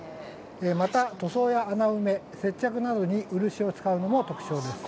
また、塗装や穴埋め、接着などに漆を使うのも特徴です。